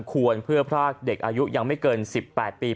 ปากเหตุอันควรเพื่อพลาดเด็กอายุยังไม่เกิน๑๘ปี